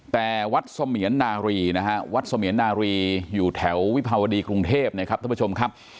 แต่วัดเสมียนนารีนะฮะวัดเสมียนนารีอยู่แถววิภาวดีกรุงเทพนะครับท่านผู้ชมครับ